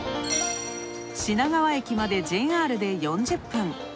品川駅までＪＲで４０分。